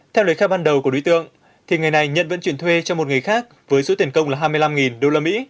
theo lời khai ban đầu của đối tượng thì người này nhận vận chuyển thuê cho một người khác với số tiền công là hai mươi năm usd